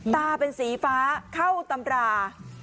ตาเป็นสีฟ้าเข้าตำรา